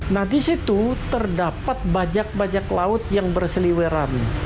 nah di situ terdapat bajak bajak laut yang berseliweran